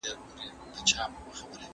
زه مځکي ته نه ګورم!!